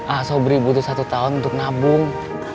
ah sobri butuh satu tahun untuk nabung